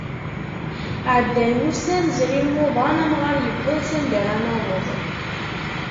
Ɛeddan wussan zrin wuḍan amɣar yewweḍ s anda ara naweḍ.